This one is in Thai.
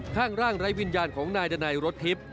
ข้างร่างรัฐวินญาณของนายดนายรถทิบ